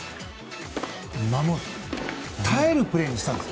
守る、耐えるプレーにしたんです。